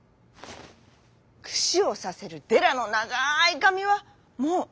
くしをさせるデラのながいかみはもうありません。